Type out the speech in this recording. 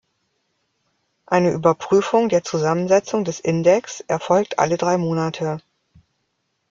Eine Überprüfung der Zusammensetzung des Index erfolgt alle drei Monate.